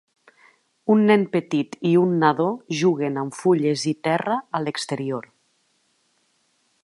Un nen petit i un nadó juguen amb fulles i terra a l'exterior